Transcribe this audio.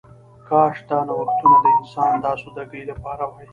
کاش دا نوښتونه د انسان د آسوده ګۍ لپاره وای